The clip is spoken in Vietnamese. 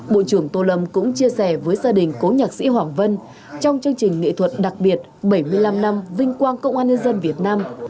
bộ trưởng tô lâm cũng chia sẻ với gia đình cố nhạc sĩ hoàng vân trong chương trình nghệ thuật đặc biệt bảy mươi năm năm vinh quang công an nhân dân việt nam